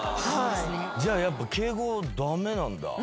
じゃあやっぱ敬語駄目なんだ。